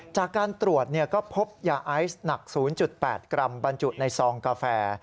จากการตรวจก็พบยาไอซ์หนัก๐๘กรัมบรรจุในซองกาแฟ